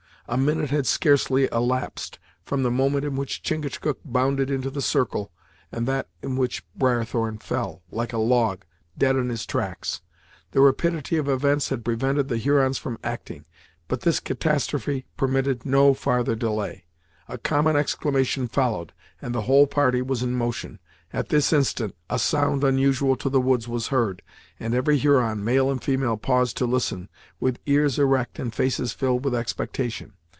A minute had scarcely elapsed from the moment in which Chingachgook bounded into the circle, and that in which Briarthorn fell, like a log, dead in his tracks. The rapidity of events had prevented the Hurons from acting; but this catastrophe permitted no farther delay. A common exclamation followed, and the whole party was in motion. At this instant a sound unusual to the woods was heard, and every Huron, male and female, paused to listen, with ears erect and faces filled with expectation.